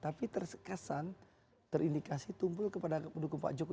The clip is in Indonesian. tapi terkesan terindikasi tumpul kepada pendukung pak jokowi